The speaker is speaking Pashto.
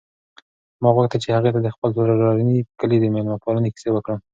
ما غوښتل چې هغې ته د خپل پلارني کلي د مېلمه پالنې کیسې وکړم.